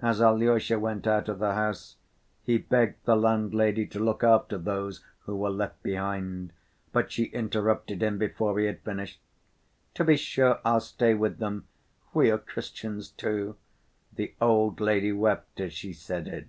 As Alyosha went out of the house he begged the landlady to look after those who were left behind, but she interrupted him before he had finished. "To be sure, I'll stay with them, we are Christians, too." The old woman wept as she said it.